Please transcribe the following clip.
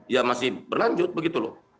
ya masih berlanjut begitu loh